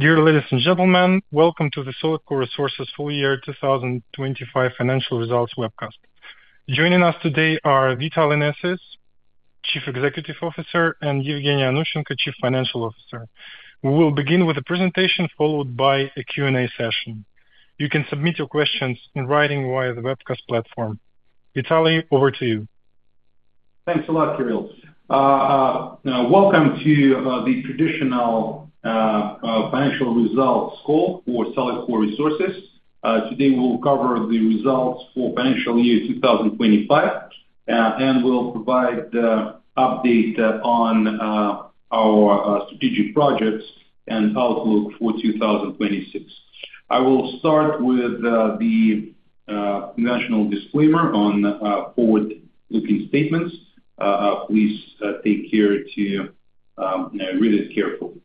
Dear ladies and gentlemen, welcome to the Solidcore Resources full year 2025 financial results webcast. Joining us today are Vitaly Nesis, Chief Executive Officer, and Evgenia Onuschenko, Chief Financial Officer. We will begin with a presentation followed by a Q&A session. You can submit your questions in writing via the webcast platform. Vitaly, over to you. Thanks a lot, Kirill. Now welcome to the traditional financial results call for Solidcore Resources. Today we'll cover the results for financial year 2025, and we'll provide update on our strategic projects and outlook for 2026. I will start with the national disclaimer on forward-looking statements. Please take care to read it carefully.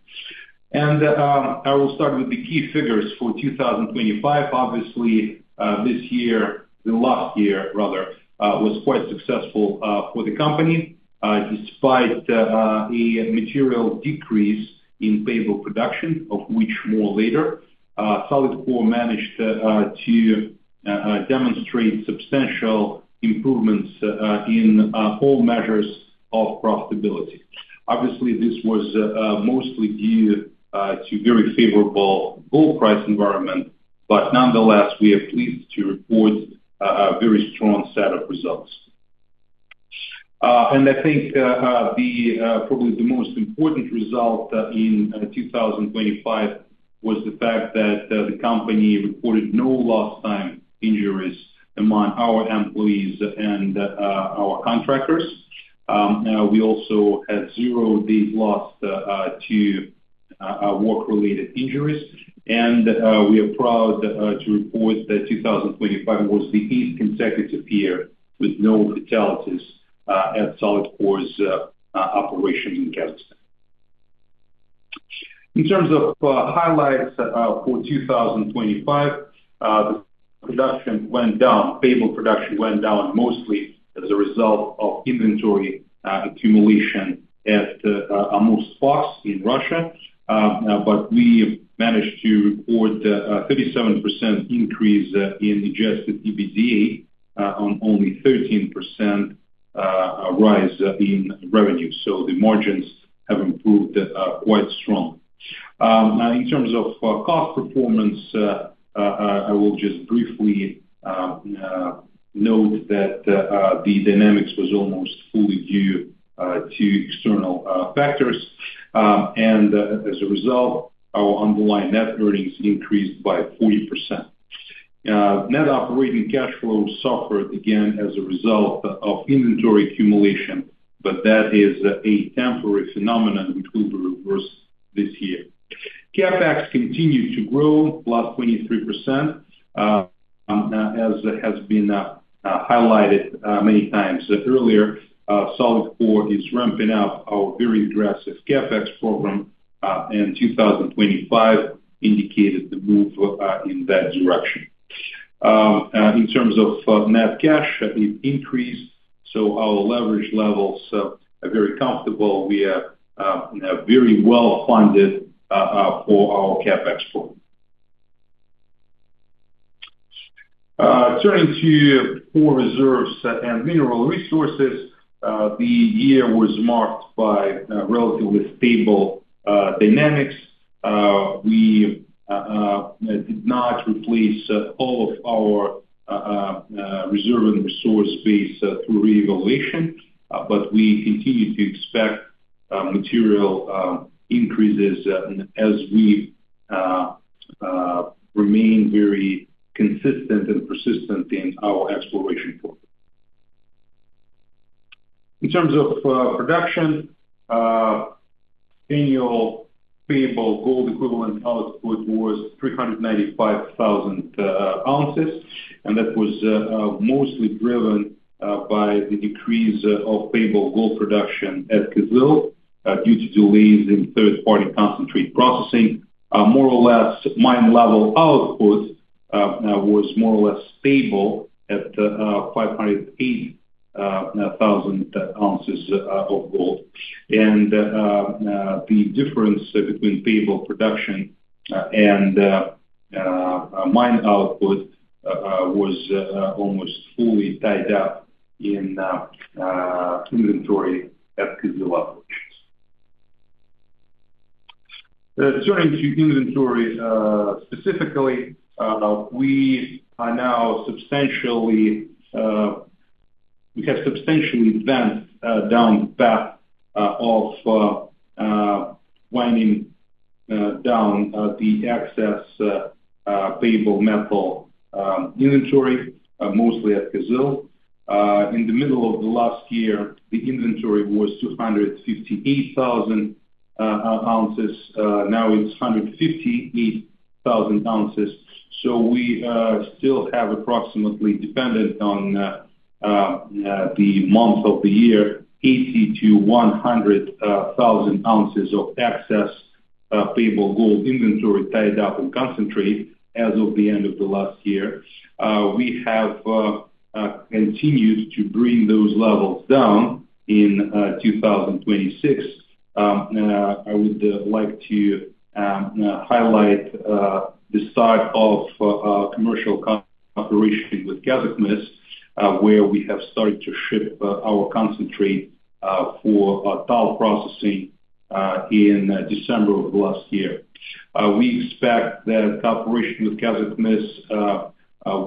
I will start with the key figures for 2025. Obviously, this year, the last year rather, was quite successful for the company, despite a material decrease in payable production, of which more later. Solidcore managed to demonstrate substantial improvements in all measures of profitability. Obviously, this was mostly due to very favorable gold price environment, but nonetheless, we are pleased to report a very strong set of results. I think probably the most important result in 2025 was the fact that the company reported no lost time injuries among our employees and our contractors. We also had zero days lost to work-related injuries. We are proud to report that 2025 was the eighth consecutive year with no fatalities at Solidcore's operation in Kazakhstan. In terms of highlights for 2025, the production went down, payable production went down mostly as a result of inventory accumulation at our most spots in Russia. We managed to report a 37% increase in Adjusted EBITDA on only 13% rise in revenue. The margins have improved quite strong. In terms of cost performance, I will just briefly note that the dynamics was almost fully due to external factors. As a result, our underlying net earnings increased by 40%. Net operating cash flow suffered again as a result of inventory accumulation, but that is a temporary phenomenon which will be reversed this year. CapEx continued to grow +23%, as has been highlighted many times earlier. Solidcore is ramping up our very aggressive CapEx program, and 2025 indicated the move in that direction. In terms of net cash, it increased, so our leverage levels are very comfortable. We are very well-funded for our CapEx program. Turning to core reserves and mineral resources, the year was marked by relatively stable dynamics. We did not replace all of our reserve and resource base through reevaluation, but we continue to expect material increases as we remain very consistent and persistent in our exploration program. In terms of production, annual payable gold equivalent output was 395,000 ounces, and that was mostly driven by the decrease of payable gold production at Kyzyl due to delays in third-party concentrate processing. More or less mine-level output was more or less stable at 580,000 ounces of gold. The difference between payable production and mine output was almost fully tied up in inventory at Kyzyl operations. Turning to inventory specifically, we have substantially went down the path of winding down the excess payable metal inventory mostly at Kyzyl. In the middle of the last year, the inventory was 258,000 ounces. Now it's 158,000 ounces. We still have approximately, depending on the month of the year, 80,000-100,000 ounces of excess payable gold inventory tied up in concentrate as of the end of the last year. We have continued to bring those levels down in 2026. I would like to highlight the start of commercial cooperation with Kazakhmys, where we have started to ship our concentrate for toll processing in December of last year. We expect that cooperation with Kazakhmys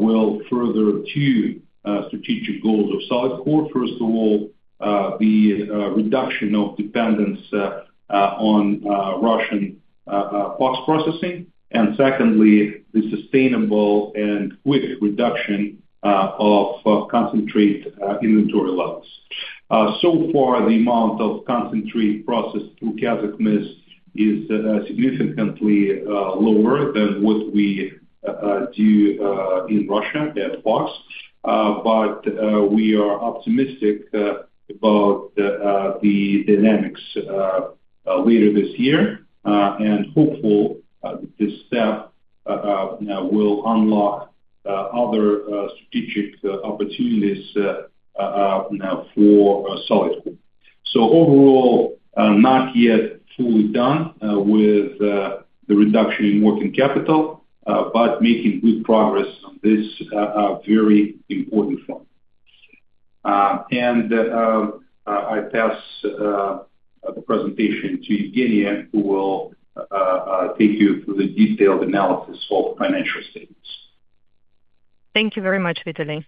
will further two strategic goals of Solidcore. First of all, the reduction of dependence on Russian POX processing, and secondly, the sustainable and quick reduction of concentrate inventory levels. So far the amount of concentrate processed through Kazakhmys is significantly lower than what we do in Russia at POX. We are optimistic about the dynamics later this year and hopeful this step will unlock other strategic opportunities now for Solidcore. Overall, not yet fully done with the reduction in working capital, but making good progress on this very important front. I pass the presentation to Evgenia, who will take you through the detailed analysis of financial statements. Thank you very much, Vitaly.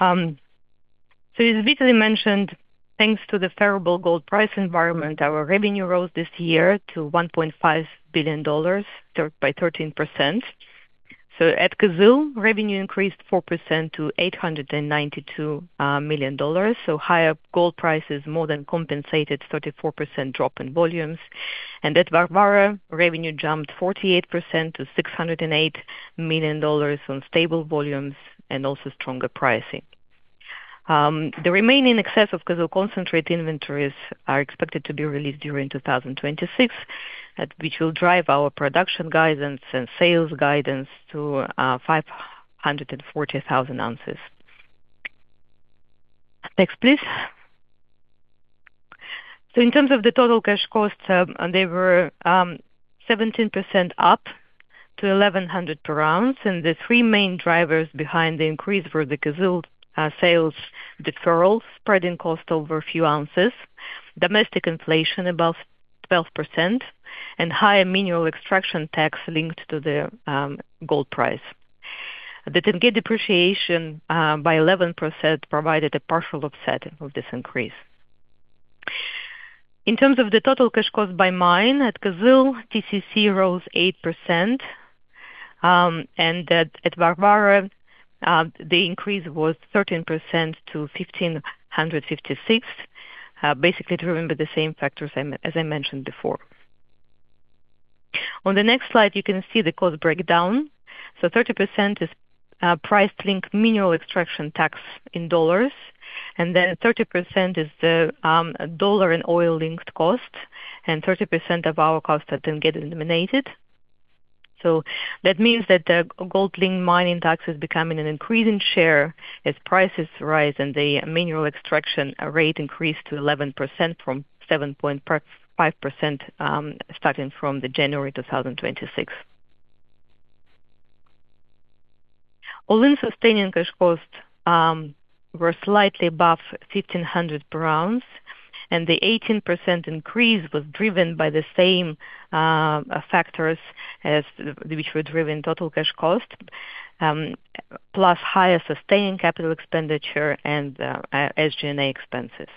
As Vitaly mentioned, thanks to the favorable gold price environment, our revenue rose this year to $1.5 billion by 13%. At Kyzyl, revenue increased 4% to $892 million. Higher gold prices more than compensated 34% drop in volumes. At Varvara, revenue jumped 48% to $608 million on stable volumes and also stronger pricing. The remaining excess of Kyzyl concentrate inventories are expected to be released during 2026, which will drive our production guidance and sales guidance to 540,000 ounces. Next, please. In terms of the total cash costs, they were 17% up to $1,100 per ounce, and the three main drivers behind the increase were the Kyzyl sales deferral, spreading cost over a few ounces, domestic inflation above 12%, and higher mineral extraction tax linked to the gold price. The tenge depreciation by 11% provided a partial offset of this increase. In terms of the total cash cost by mine, at Kyzyl, TCC rose 8%, and at Varvara, the increase was 13% to $1,556, basically the same factors I mentioned before. On the next slide, you can see the cost breakdown. 30% is price-linked mineral extraction tax in dollars, and then 30% is the dollar and oil-linked cost, and 30% of our costs then get eliminated. That means that the gold link mining tax is becoming an increasing share as prices rise and the mineral extraction rate increased to 11% from 7.5%, starting from January 2026. All-in sustaining cash costs were slightly above $1,500 per ounce, and the 18% increase was driven by the same factors as drove total cash costs, plus higher sustaining capital expenditure and SG&A expenses.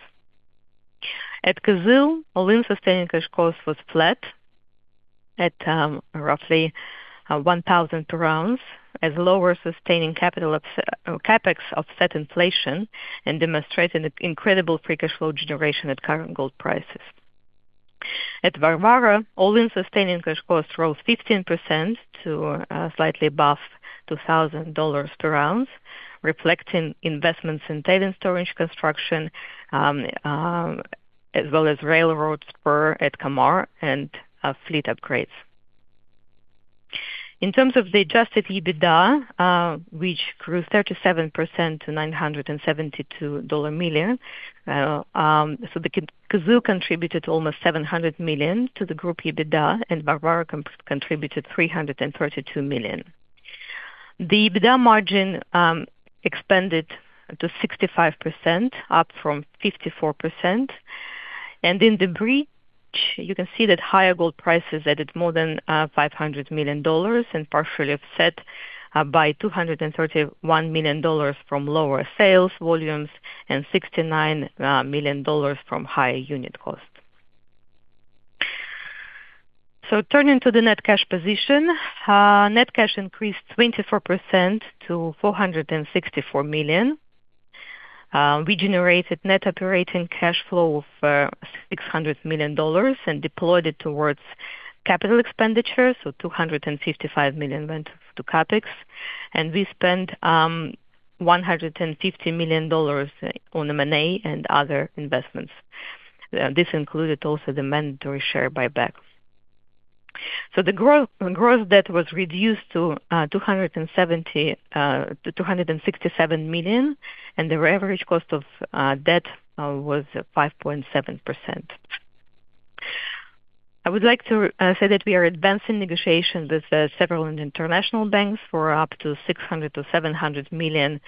At Kyzyl, all-in sustaining cash costs was flat at roughly $1,000 per ounce as lower sustaining capital CapEx offset inflation and demonstrating an incredible free cash flow generation at current gold prices. At Varvara, all-in sustaining cash costs rose 15% to slightly above $2,000 per ounce, reflecting investments in tail and storage construction, as well as railroad spur at Komarovskoye and fleet upgrades. In terms of the Adjusted EBITDA, which grew 37% to $972 million. The Kyzyl contributed almost $700 million to the group EBITDA, and Varvara contributed $332 million. The EBITDA margin expanded to 65%, up from 54%. In the bridge, you can see that higher gold prices added more than $500 million and partially offset by $231 million from lower sales volumes and $69 million from higher unit costs. Turning to the net cash position. Net cash increased 24% to $464 million. We generated net operating cash flow of $600 million and deployed it towards capital expenditures. $255 million went to CapEx, and we spent $150 million on M&A and other investments. This included also the mandatory share buyback. Gross debt was reduced to $267 million, and the average cost of debt was 5.7%. I would like to say that we are advancing negotiations with several international banks for up to $600 million-$700 million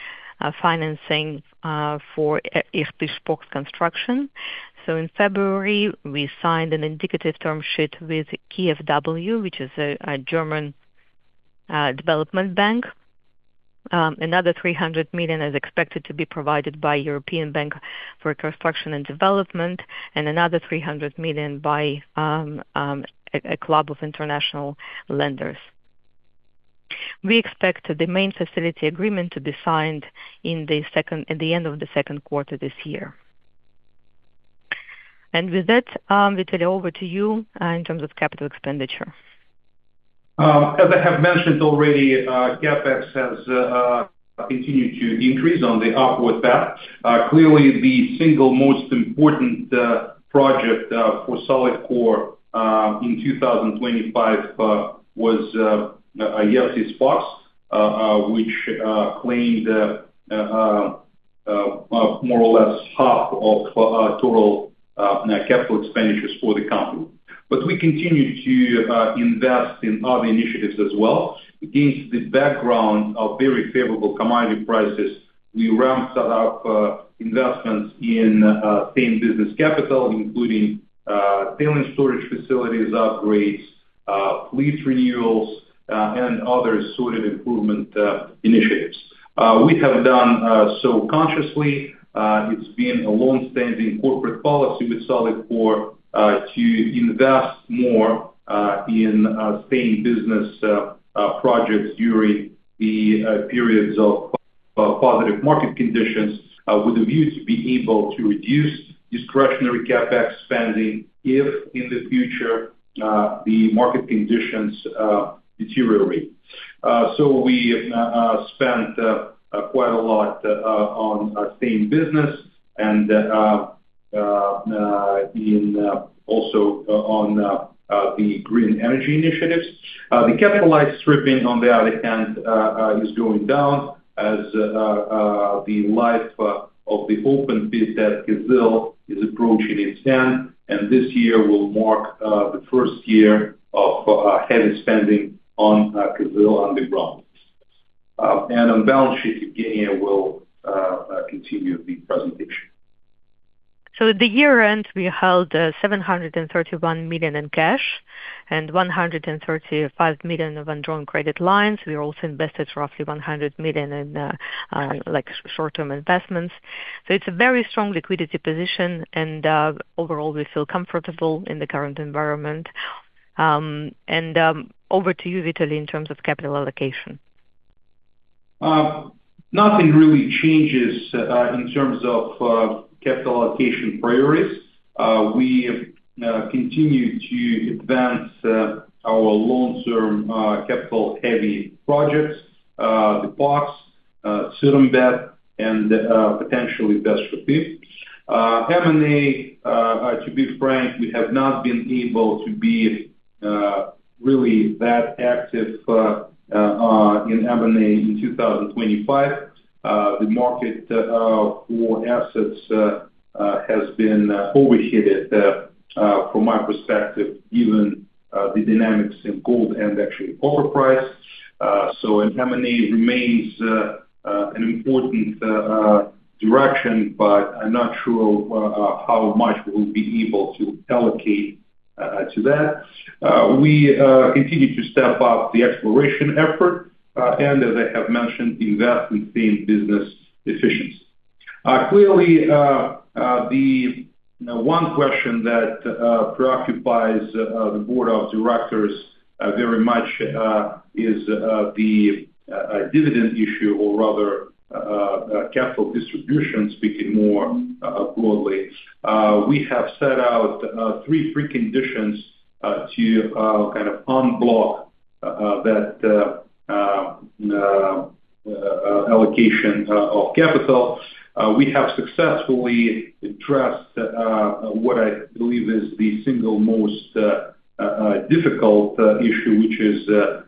financing for Ertis POX construction. In February, we signed an indicative term sheet with KfW, which is a German development bank. Another $300 million is expected to be provided by European Bank for Reconstruction and Development, and another $300 million by a club of international lenders. We expect the main facility agreement to be signed at the end of the second quarter this year. With that, Vitaly, over to you in terms of capital expenditure. As I have mentioned already, CapEx has continued to increase on the upward path. Clearly, the single most important project for Solidcore in 2025 was Ertis POX, which claimed more or less half of total capital expenditures for the company. We continue to invest in other initiatives as well. Against the background of very favorable commodity prices, we ramped up investments in same business capital, including tailings storage facilities upgrades, lease renewals, and other sort of improvement initiatives. We have done so consciously. It's been a long-standing corporate policy with Solidcore to invest more in same business projects during the periods of positive market conditions with a view to be able to reduce discretionary CapEx spending if in the future the market conditions deteriorate. We spent quite a lot on our same business and also on the green energy initiatives. The capitalized stripping, on the other hand, is going down as the life of the open pit at Kyzyl is approaching its end, and this year will mark the first year of heavy spending on Kyzyl underground. On balance sheet, Evgenia will continue the presentation. At the year-end, we held $731 million in cash and $135 million of undrawn credit lines. We also invested roughly $100 million in, like, short-term investments. It's a very strong liquidity position and, overall we feel comfortable in the current environment. Over to you, Vitaly, in terms of capital allocation. Nothing really changes in terms of capital allocation priorities. We continue to advance our long-term capital heavy projects, the POX, Syrymbet and potentially Vostochny. M&A, to be frank, we have not been able to be really that active in M&A in 2025. The market for assets has been overheated from my perspective, given the dynamics in gold and actually copper price. M&A remains an important direction, but I'm not sure how much we'll be able to allocate to that. We continue to step up the exploration effort and as I have mentioned, invest in SG&A business efficiency. Clearly, the one question that preoccupies the board of directors very much is the dividend issue or rather capital distribution, speaking more broadly. We have set out three preconditions to kind of unblock that allocation of capital. We have successfully addressed what I believe is the single most difficult issue, which is the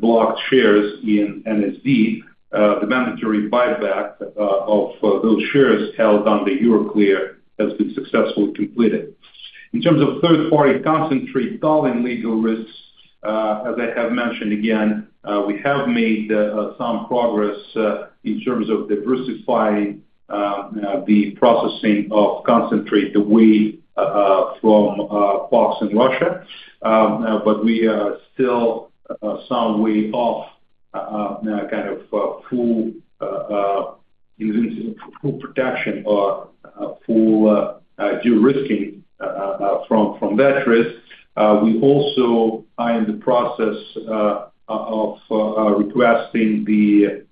blocked shares in NSD. The mandatory buyback of those shares held under Euroclear has been successfully completed. In terms of third-party concentrate solving legal risks, as I have mentioned again, we have made some progress in terms of diversifying the processing of concentrate away from POX in Russia. We are still some way off kind of full production or full de-risking from that risk. We also are in the process of requesting the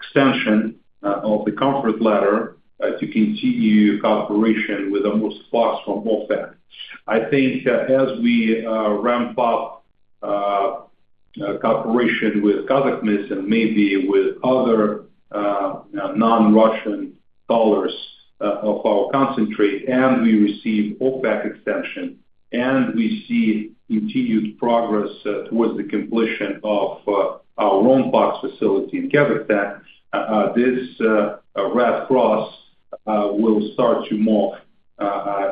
extension of the comfort letter to continue cooperation with Amursk POX from OFAC. I think that as we ramp up cooperation with Kazakhmys and maybe with other non-Russian smelters of our concentrate, and we receive OFAC extension, and we see continued progress towards the completion of our Ertis POX facility in Kazakhstan, this red cross will start to morph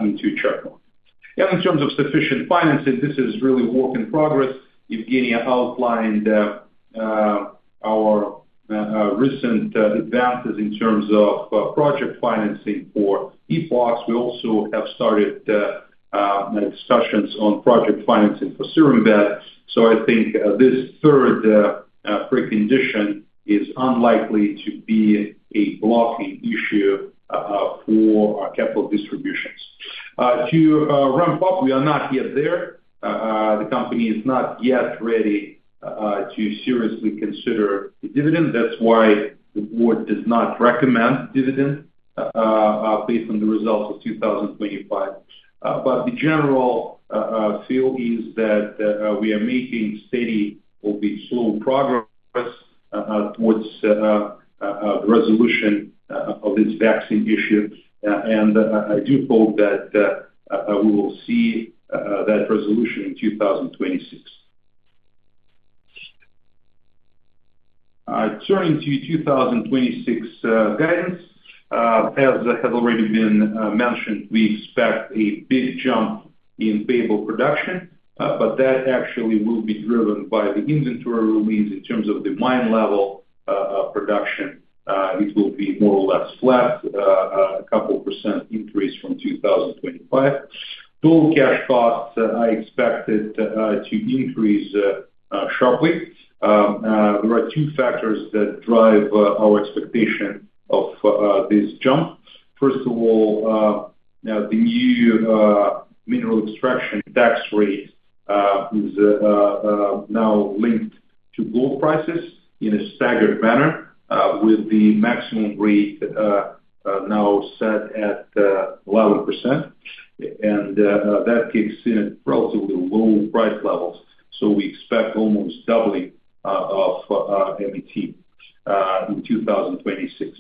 into charcoal. In terms of sufficient financing, this is really work in progress. Evgenia outlined our recent advances in terms of project financing for Ertis POX. We also have started discussions on project financing for Syrymbet. I think this third precondition is unlikely to be a blocking issue for capital distributions. To ramp up, we are not yet there. The company is not yet ready to seriously consider the dividend. That's why the board does not recommend dividend based on the results of 2025. The general feel is that we are making steady, albeit slow progress towards resolution of this vexing issue. I do hope that we will see that resolution in 2026. Turning to 2026 guidance, as has already been mentioned, we expect a big jump in payable production, but that actually will be driven by the inventory release in terms of the mine level production. It will be more or less flat, a couple% increase from 2025. Full cash costs, I expect it to increase sharply. There are two factors that drive our expectation of this jump. First of all, the new mineral extraction tax rate is now linked to gold prices in a staggered manner, with the maximum rate now set at 11%. That kicks in at relatively low price levels. We expect almost doubling of MET in 2026.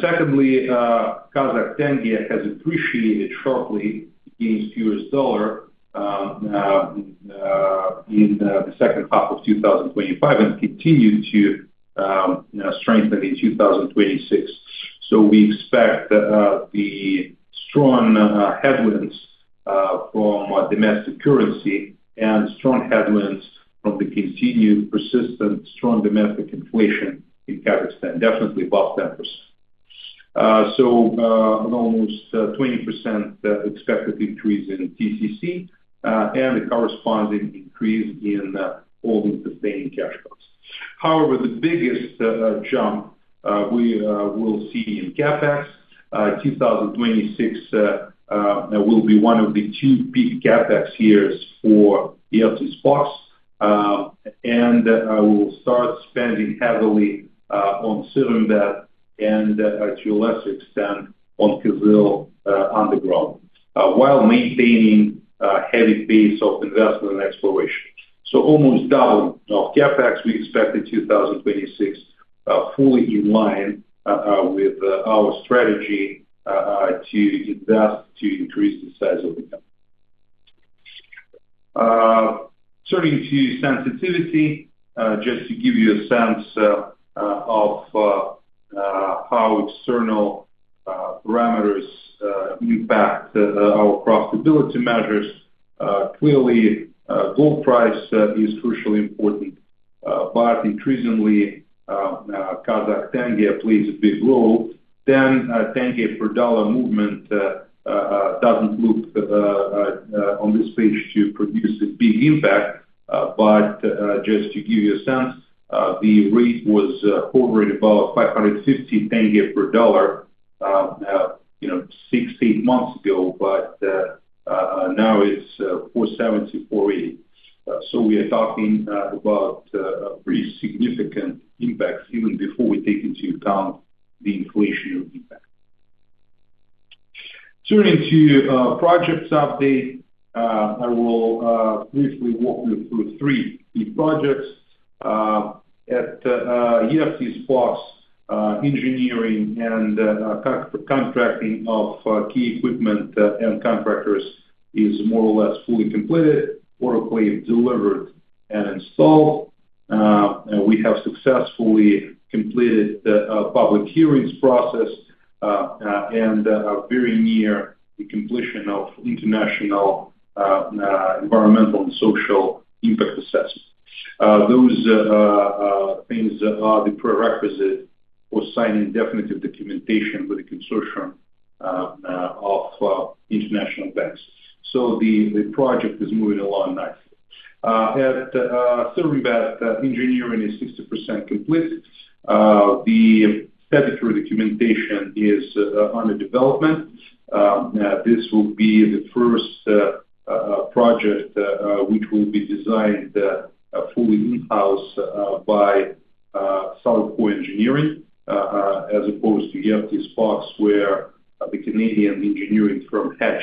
Secondly, Kazakh tenge has appreciated sharply against U.S. dollar in the second half of 2025 and continue to strengthen in 2026. We expect the strong headwinds from domestic currency and strong headwinds from the continued persistent strong domestic inflation in Kazakhstan, definitely above 10%. An almost 20% expected increase in TCC and a corresponding increase in all-in sustaining cash costs. However, the biggest jump we will see in CapEx, 2026, will be one of the two peak CapEx years for Ertis POX. We will start spending heavily on Syrymbet and to a lesser extent on Kyzyl underground while maintaining a heavy pace of investment and exploration. Almost double of CapEx, we expect in 2026, fully in line with our strategy to invest to increase the size of the company. Turning to sensitivity, just to give you a sense of how external parameters impact our profitability measures. Clearly, gold price is crucially important, but increasingly, Kazakh tenge plays a big role. Tenge per dollar movement doesn't look on this page to produce a big impact. Just to give you a sense, the rate was hovering above KZT 550 per dollar, six to eight months ago, but now it's KZT 470-KZT 480. We are talking about a pretty significant impact even before we take into account the inflationary impact. Turning to projects update, I will briefly walk you through three key projects. At Ertis POX, engineering and contracting of key equipment and contractors is more or less fully completed, procured, delivered, and installed. We have successfully completed the public hearings process and are very near the completion of international environmental and social impact assessment. Those things are the prerequisite for signing definitive documentation with a consortium of international banks. The project is moving along nicely. At Syrymbet, engineering is 60% complete. The statutory documentation is under development. This will be the first project which will be designed fully in-house by Solidcore engineering, as opposed to Ertis POX where the Canadian engineering firm Hatch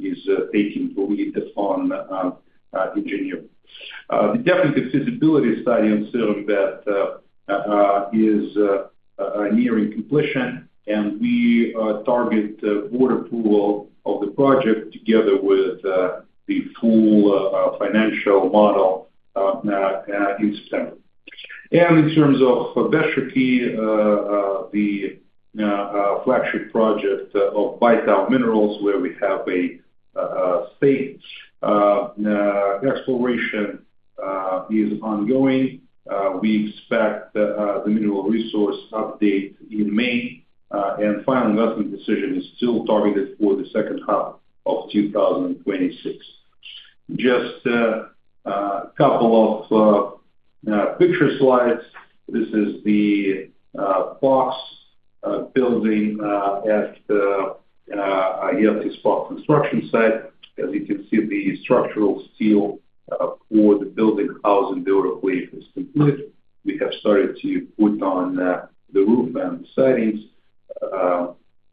is taking the lead on engineering. The definitive feasibility study in Syrymbet is nearing completion, and we target the board approval of the project together with the full financial model in September. In terms of Veshchekie, the flagship project of White Owl Minerals, where we have a stake, exploration is ongoing. We expect the mineral resource update in May, and final investment decision is still targeted for the second half of 2026. Just couple of picture slides. This is the box building at the Ertis POX construction site. As you can see, the structural steel for the building housing the autoclave is completed. We have started to put on the roof and the sidings,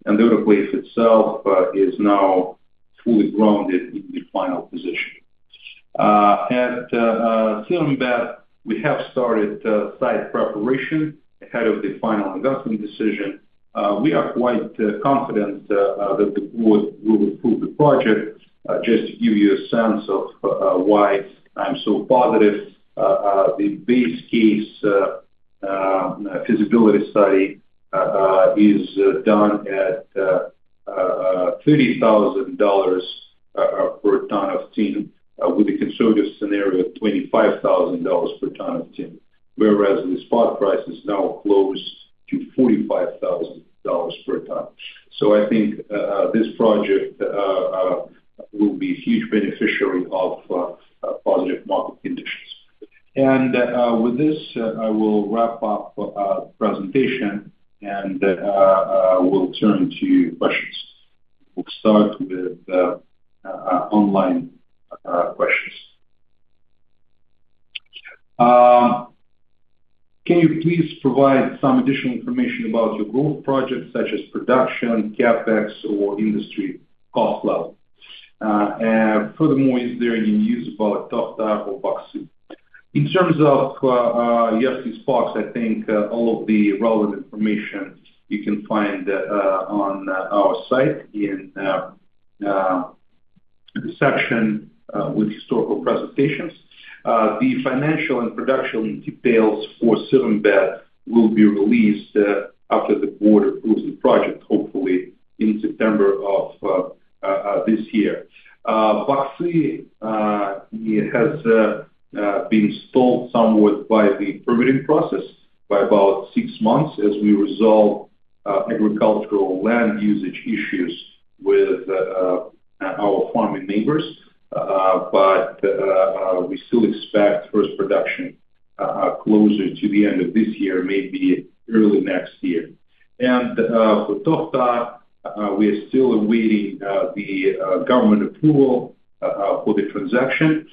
and the autoclave itself is now fully grounded in the final position. At Syrymbet, we have started site preparation ahead of the final investment decision. We are quite confident that the board will approve the project. Just to give you a sense of why I'm so positive, the base case feasibility study is done at $30,000 per ton of tin, with a conservative scenario of $25,000 per ton of tin. Whereas the spot price is now close to $45,000 per ton. I think this project will be a huge beneficiary of positive market conditions. With this, I will wrap up presentation and we'll turn to questions. We'll start with the online questions. Can you please provide some additional information about your growth projects such as production, CapEx or industry cost level? Furthermore, is there any news about Tokhtar or Baksy? In terms of Ertis POX, I think all of the relevant information you can find on our site in the section with historical presentations. The financial and production details for Syrymbet will be released after the board approves the project, hopefully in September of this year. Baksy has been stalled somewhat by the permitting process by about six months as we resolve agricultural land usage issues with our farming neighbors. We still expect first production closer to the end of this year, maybe early next year. For Tokhtar, we are still awaiting the government approval for the transaction.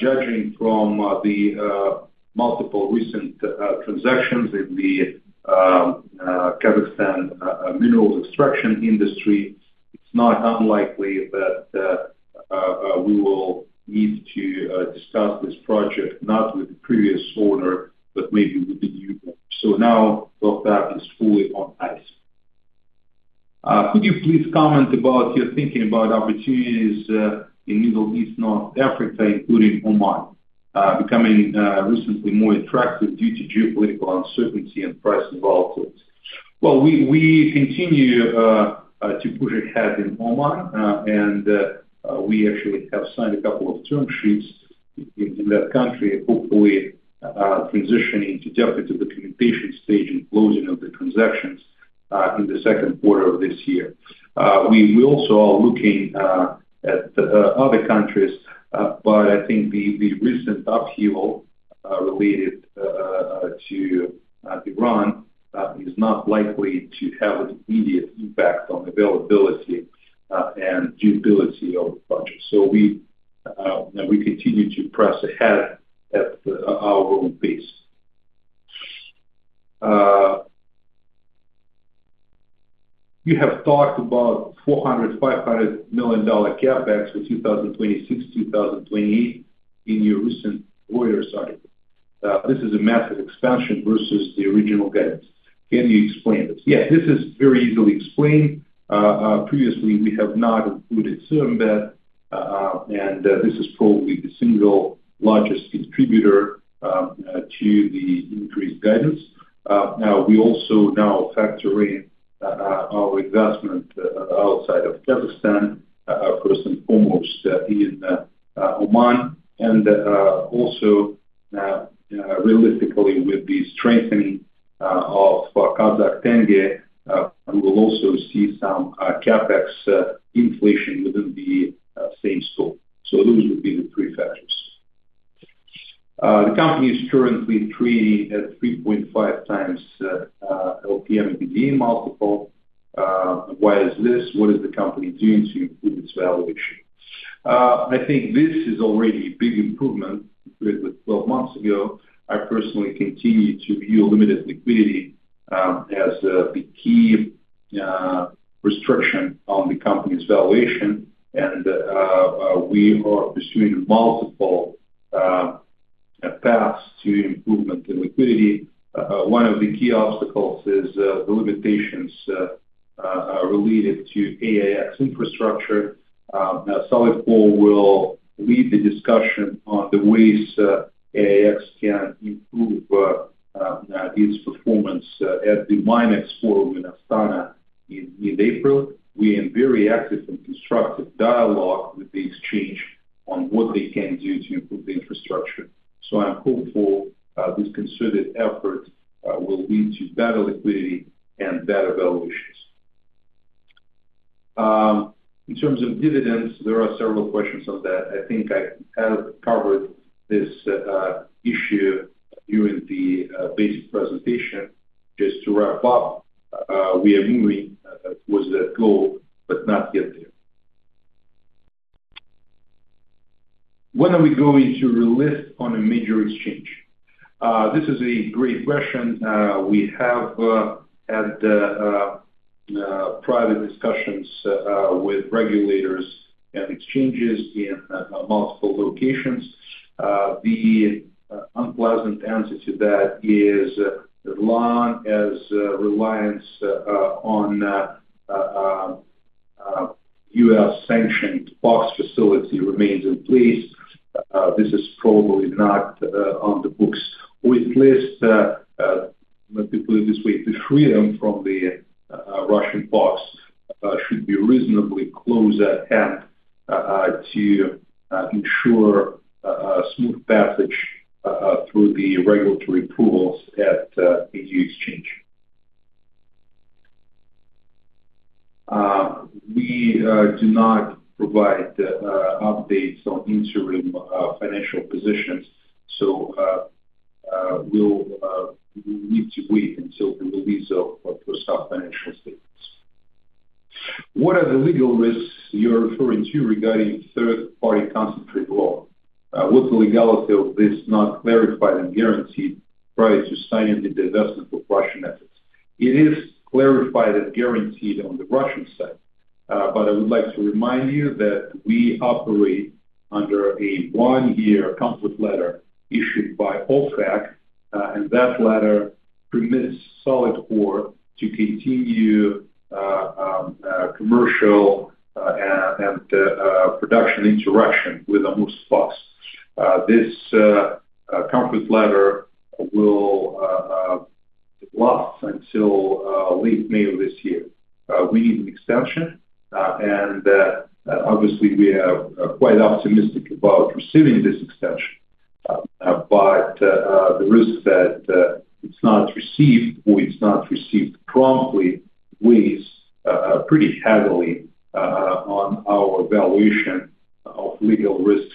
Judging from the multiple recent transactions in the Kazakhstan mineral extraction industry, it's not unlikely that we will need to discuss this project not with the previous owner, but maybe with the new one. Now Tokhtar is fully on ice. Could you please comment about your thinking about opportunities in Middle East, North Africa, including Oman, becoming recently more attractive due to geopolitical uncertainty and price volatility? We continue to push ahead in Oman, and we actually have signed a couple of term sheets in that country, hopefully transitioning to definite documentation stage and closing of the transactions in the second quarter of this year. We also are looking at other countries, but I think the recent upheaval related to Iran is not likely to have an immediate impact on availability and durability of the project. We continue to press ahead at our own pace. You have talked about $400 million-$500 million CapEx for 2026-2028 in your recent latest article. This is a massive expansion versus the original guidance. Can you explain this? Yes, this is very easily explained. Previously we have not included Syrymbet, and this is probably the single largest contributor to the increased guidance. Now we also factor in our investment outside of Kazakhstan, first and foremost, in Oman. Realistically with the strengthening of Kazakh tenge, we will also see some CapEx inflation within the same scope. Those would be the three factors. The company is currently trading at 3.5 times the LTM EBITDA multiple. Why is this? What is the company doing to improve its valuation? I think this is already a big improvement compared with 12 months ago. I personally continue to view limited liquidity as the key restriction on the company's valuation and we are pursuing multiple paths to improvement in liquidity. One of the key obstacles is the limitations related to AIX infrastructure. Solidcore will lead the discussion on the ways AIX can improve its performance at the MINEX Forum in Astana in April. We are in very active and constructive dialogue with the exchange on what they can do to improve the infrastructure. I'm hopeful this concerted effort will lead to better liquidity and better valuations. In terms of dividends, there are several questions on that. I think I have covered this issue during the basic presentation. Just to wrap up, we are moving towards that goal, but not yet there. When are we going to relist on a major exchange? This is a great question. We have had private discussions with regulators and exchanges in multiple locations. The unpleasant answer to that is as long as reliance on U.S. sanctioned POX facility remains in place, this is probably not on the books. Let me put it this way, the freedom from the Russian ops should be reasonably close at hand to ensure a smooth passage through the regulatory approvals at AIX Exchange. We do not provide updates on interim financial positions, so we'll need to wait until the release of our first half financial statements. What are the legal risks you're referring to regarding third-party concentrate law? Was the legality of this not clarified and guaranteed prior to signing the divestment of Russian assets? It is clarified and guaranteed on the Russian side. I would like to remind you that we operate under a one-year comfort letter issued by OFAC, and that letter permits Solidcore to continue commercial and production interaction with the Amursk POX. This comfort letter will last until late May of this year. We need an extension, and obviously we are quite optimistic about receiving this extension. The risk that it's not received or it's not received promptly weighs pretty heavily on our valuation of legal risks,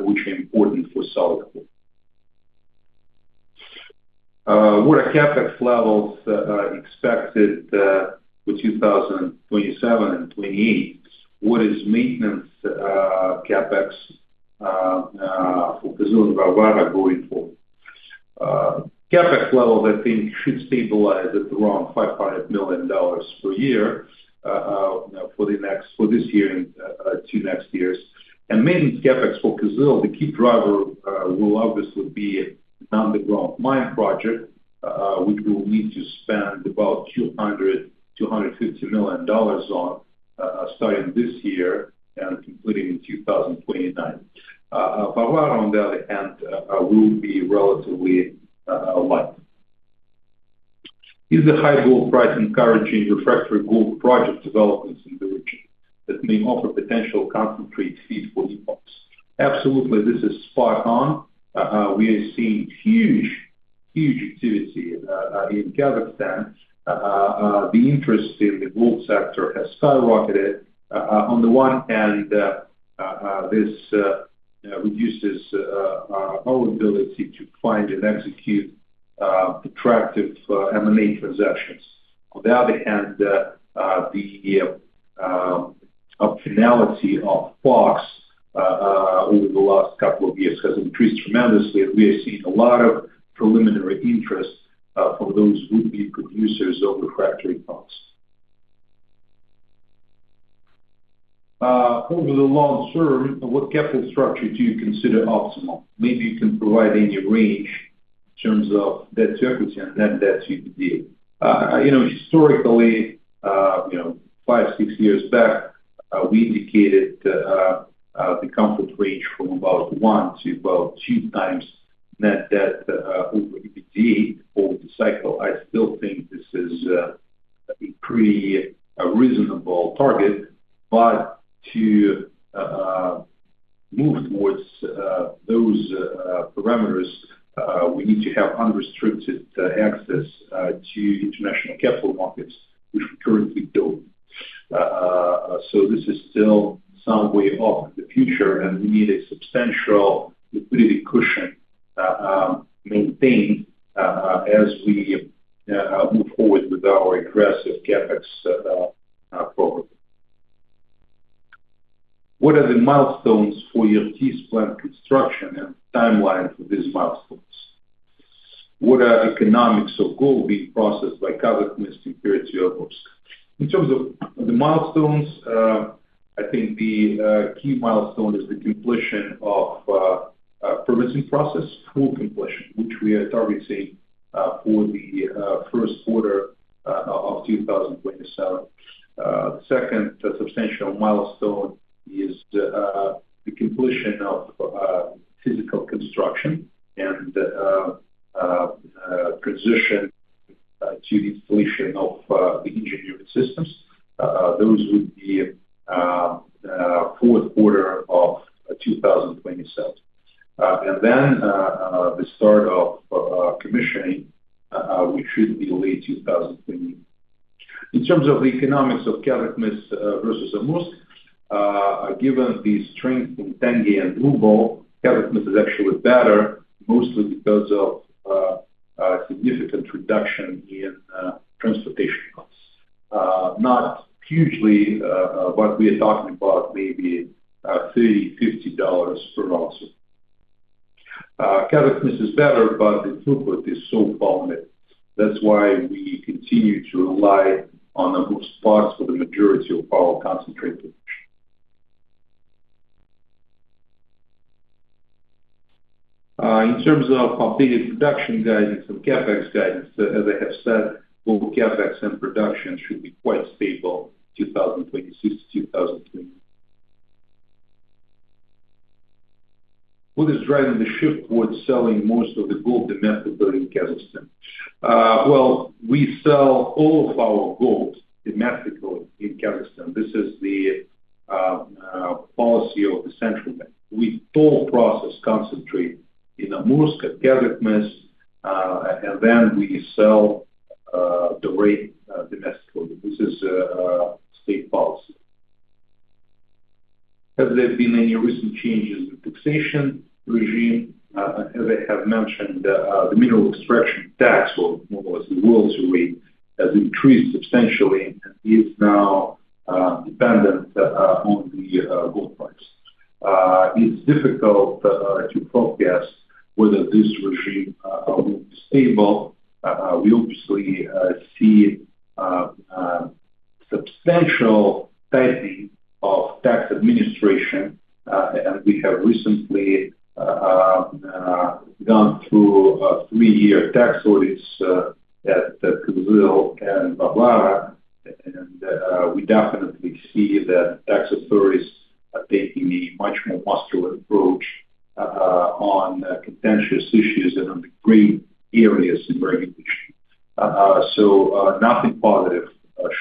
which are important for Solidcore. What are CapEx levels expected for 2027 and 2028? What is maintenance CapEx for Kyzyl and Varvara going forward? CapEx levels I think should stabilize at around $500 million per year, for this year and two next years. Maintenance CapEx for Kyzyl, the key driver, will obviously be an underground mine project, which we'll need to spend about $250 million on, starting this year and completing in 2029. Varvara on the other hand will be relatively light. Is the high gold price encouraging refractory gold project developments in the region that may offer potential concentrate feed for the POX? Absolutely. This is spot on. We are seeing huge activity in Kazakhstan. The interest in the gold sector has skyrocketed. On the one hand, this reduces our ability to find and execute attractive M&A transactions. On the other hand, the optionality of POX over the last couple of years has increased tremendously, and we are seeing a lot of preliminary interest from those would-be producers of refractory POX. Over the long term, what capital structure do you consider optimal? Maybe you can provide any range in terms of debt service and net debt EBITDA. You know, historically, you know, five, six years back, we indicated the comfort range from about 1x to about 2x net debt over EBITDA over the cycle. I still think this is a pretty reasonable target. To move towards those parameters, we need to have unrestricted access to international capital markets, which we currently don't. This is still some way off in the future, and we need a substantial liquidity cushion to maintain as we move forward with our aggressive CapEx program. What are the milestones for your team's plant construction and timelines for these milestones? What are the economics of gold being processed by Kazakhmys compared to Amursk? In terms of the milestones, I think the key milestone is the completion of permitting process, full completion, which we are targeting for the first quarter of 2027. Second substantial milestone is the completion of physical construction and transition to the installation of the engineering systems. Those would be fourth quarter of 2027. The start of commissioning should be late 2020. In terms of the economics of Kazakhmys versus Amursk, given the strength in tenge and ruble, Kazakhmys is actually better, mostly because of significant reduction in transportation costs. Not hugely, but we are talking about maybe $30-$50 per ounce. Kazakhmys is better, but the throughput is so limited. That's why we continue to rely on Amursk POX for the majority of our concentrate production. In terms of updated production guidance and CapEx guidance, as I have said, both CapEx and production should be quite stable 2026-2030. What is driving the shift towards selling most of the gold domestically in Kazakhstan? We sell all of our gold domestically in Kazakhstan. This is the policy of the central bank. We fully process concentrate in Amursk and Kazakhmys, and then we sell the doré domestically. This is state policy. Have there been any recent changes in taxation regime? As I have mentioned, the mineral extraction tax, or in other words the royalty rate, has increased substantially and is now dependent on the gold price. It's difficult to forecast whether this regime will be stable. We obviously see substantial tightening of tax administration, and we have recently gone through three-year tax audits at Kyzyl and Varvara, and we definitely see the tax authorities are taking a much more muscular approach on contentious issues and on the gray areas in regulation. Nothing positive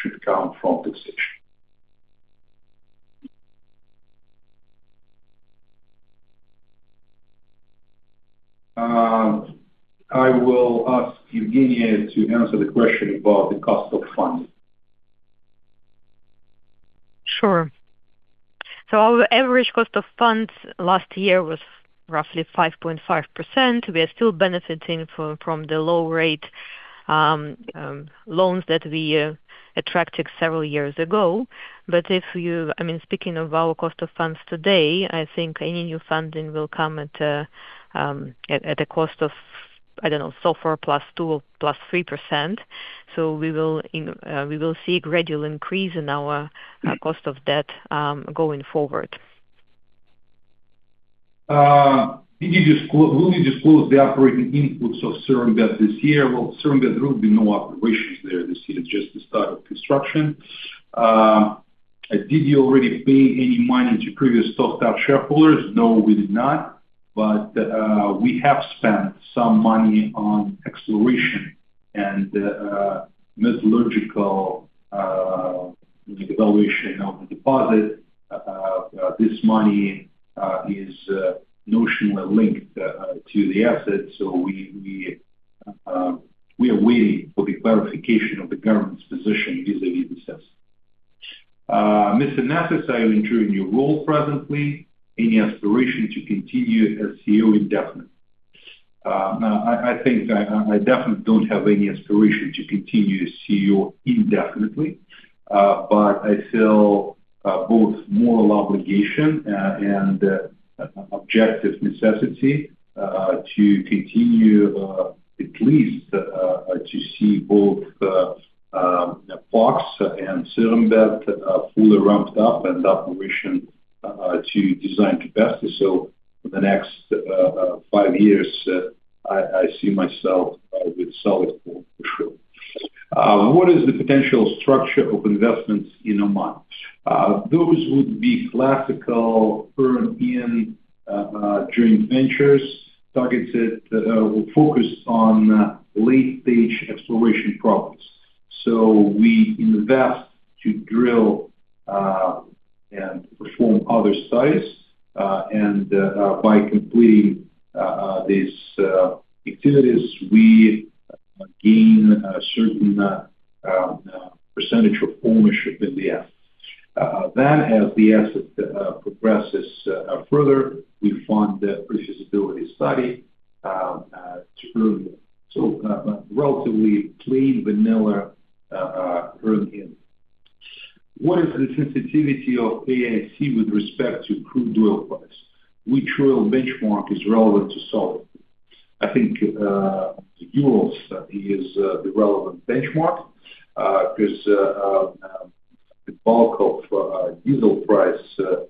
should come from taxation. I will ask Evgenia to answer the question about the cost of funding. Sure. Our average cost of funds last year was roughly 5.5%. We are still benefiting from the low rate loans that we attracted several years ago. I mean, speaking of our cost of funds today, I think any new funding will come at a cost of, I don't know, SOFR +2%, +3%. We will see a gradual increase in our cost of debt going forward. Will you disclose the operating inputs of Syrymbet this year? Well, Syrymbet, there will be no operations there this year, just the start of construction. Did you already pay any money to previous stockholders? No, we did not. We have spent some money on exploration and metallurgical, like evaluation of the deposit. This money is notionally linked to the asset. We are waiting for the clarification of the government's position vis-à-vis this asset. Mr. Nesis, you enjoy your role presently. Any aspiration to continue as CEO indefinitely? No, I think I definitely don't have any aspiration to continue as CEO indefinitely, but I feel both moral obligation and objective necessity to continue at least to see both POX and Syrymbet fully ramped up and operation to design capacity. For the next five years, I see myself with Solidcore for sure. What is the potential structure of investments in Oman? Those would be classical financing in joint ventures targeted or focused on late-stage exploration projects. We invest to drill and perform other studies and by completing these activities we gain a certain percentage of ownership in the asset. As the asset progresses further we fund the pre-feasibility study to earn it. Relatively clean vanilla earn-in. What is the sensitivity of AISC with respect to crude oil price? Which oil benchmark is relevant to Solidcore? I think Urals is the relevant benchmark 'cause the bulk of diesel price for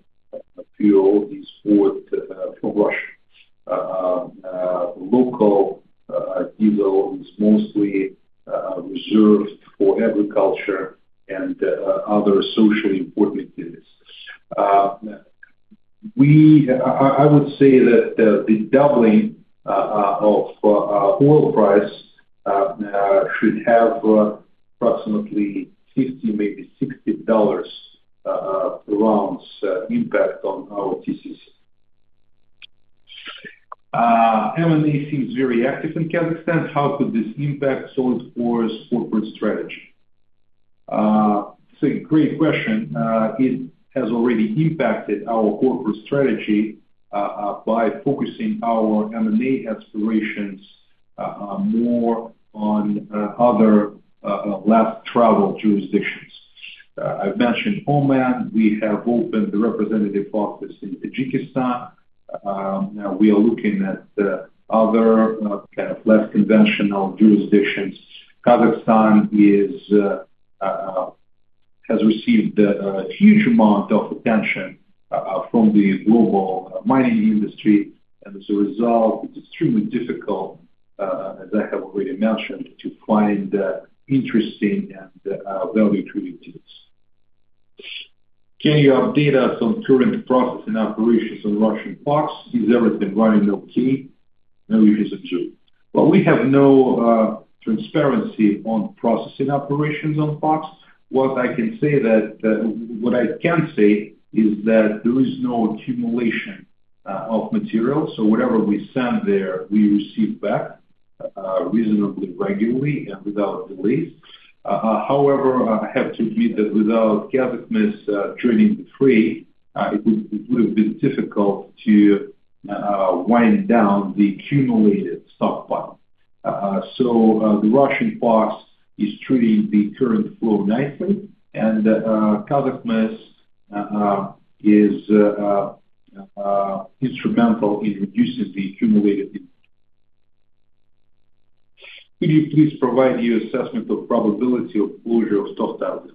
fuel is from Russia. Local diesel is mostly reserved for agriculture and other socially important use. I would say that the doubling of oil price should have approximately $50, maybe $60 impact on our GCs. M&A seems very active in Kazakhstan. How could this impact Solidcore corporate strategy? It's a great question. It has already impacted our corporate strategy by focusing our M&A aspirations more on other less traveled jurisdictions. I've mentioned Oman. We have opened a representative office in Tajikistan. We are looking at other kind of less conventional jurisdictions. Kazakhstan has received a huge amount of attention from the global mining industry. As a result, it's extremely difficult, as I have already mentioned, to find interesting and value opportunities. Can you update us on current processing operations on Russian POX? Is everything running okay? No. Well, we have no transparency on processing operations on POX. What I can say is that there is no accumulation of material. So whatever we send there, we receive back reasonably regularly and without delays. However, I have to admit that without Kazakhmys, it would have been difficult to wind down the accumulated stockpile. The Russian POX is treating the current flow nicely. Kazakhmys is instrumental in reducing the accumulated. Could you please provide your assessment of probability of closure of stock dividend?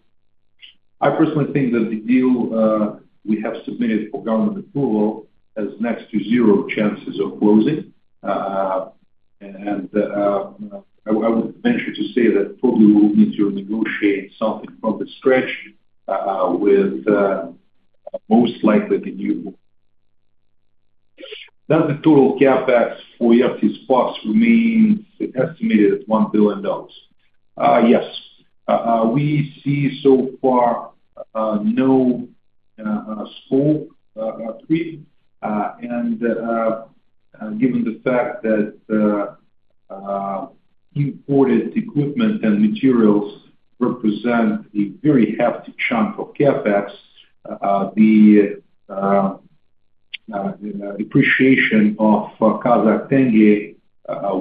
I personally think that the deal we have submitted for government approval has next to zero chances of closing. I would venture to say that probably we'll need to negotiate something from scratch with most likely the new. Does the total CapEx for Ertis POX remain estimated at $1 billion? Yes. We see so far no scope three. Given the fact that imported equipment and materials represent a very hefty chunk of CapEx, the depreciation of Kazakh tenge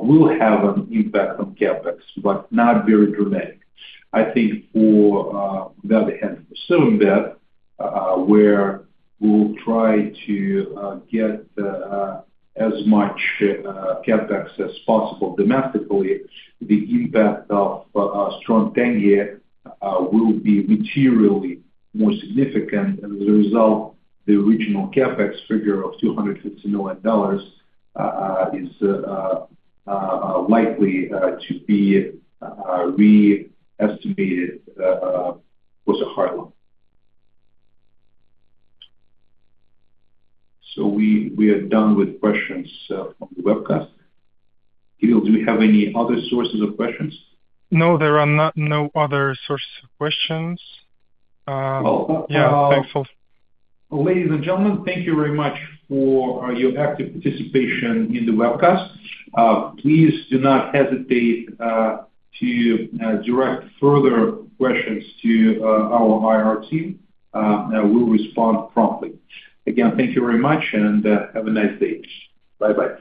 will have an impact on CapEx, but not very dramatic. I think on the other hand, for Syrymbet, where we'll try to get as much CapEx as possible domestically, the impact of a strong tenge will be materially more significant. As a result, the original CapEx figure of $250 million is likely to be re-estimated post a hard loan. We are done with questions from the webcast. Kirill, do we have any other sources of questions? No, there are no other sources of questions. Yeah, thanks a lot. Ladies and gentlemen, thank you very much for your active participation in the webcast. Please do not hesitate to direct further questions to our IR team. We'll respond promptly. Again, thank you very much and have a nice day. Bye-bye.